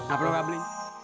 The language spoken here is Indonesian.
apa lo gak beli